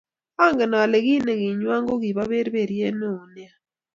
Angen kole kit nikwayay kokibo berberiet neo nea